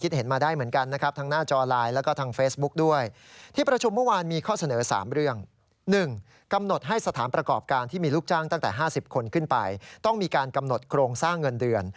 ต้องมีการกำหนดโครงสร้างเงินเดือน